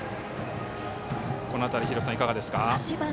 この辺り、いかがですか。